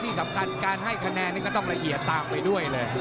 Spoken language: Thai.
ที่สำคัญการให้คะแนนนี่ก็ต้องละเอียดตามไปด้วยเลย